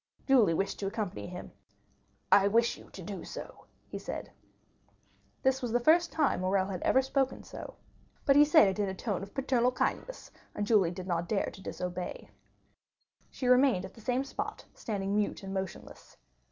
Julie wished to accompany him. "I wish you to do so," said he. This was the first time Morrel had ever so spoken, but he said it in a tone of paternal kindness, and Julie did not dare to disobey. She remained at the same spot standing mute and motionless.